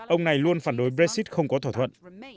ông này luôn phản đối brexit không có thỏa thuận